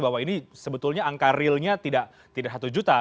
bahwa ini sebetulnya angka realnya tidak satu juta